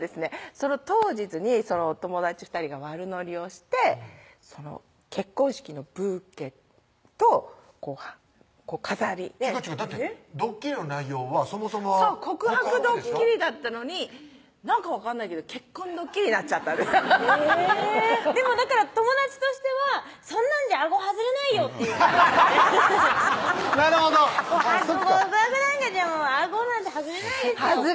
その当日にお友達２人が悪乗りをして結婚式のブーケと飾り違う違うだってドッキリの内容はそもそもはそう告白ドッキリだったのになんか分かんないけど結婚ドッキリになっちゃったでもだから友達としては「そんなんじゃあご外れないよ」っていうアハハハなるほどそっか「告白なんかじゃあごなんて外れないですよ」